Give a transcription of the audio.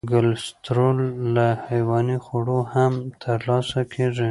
کلسترول له حیواني خوړو هم تر لاسه کېږي.